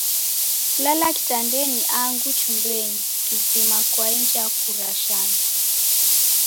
Kulala kitandenyi angu chumbenyi kizima kwainja kurashana.